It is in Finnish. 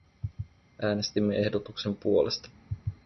Äänestimme ehdotuksen puolesta.